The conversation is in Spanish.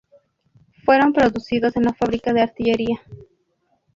Fueron producidos en la Fábrica de Artillería Nro.